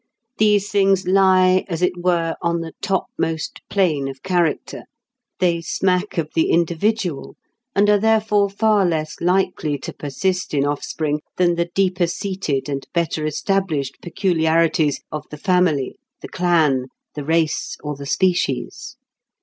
These things lie, as it were, on the topmost plane of character; they smack of the individual, and are therefore far less likely to persist in offspring than the deeper seated and better established peculiarities of the family, the clan, the race, or the species.